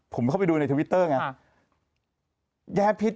ผมเข้าไปดูในทวิตเตอร์ไง